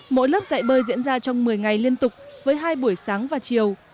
mỗi lớp dạy bơi diễn ra trong một mươi ngày liên tục với hai buổi sáng và chiều